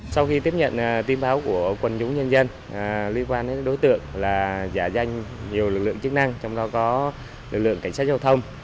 sau khi tiếp nhận tin báo của quần chúng nhân dân liên quan đến đối tượng là giả danh nhiều lực lượng chức năng trong đó có lực lượng cảnh sát giao thông